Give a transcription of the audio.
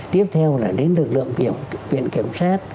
tiếp theo là đến lực lượng viện kiểm soát